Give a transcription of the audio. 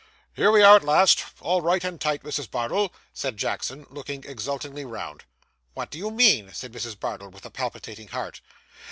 'Here we are at last. All right and tight, Mrs. Bardell!' said Jackson, looking exultingly round. 'What do you mean?' said Mrs. Bardell, with a palpitating heart.